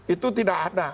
itu tidak ada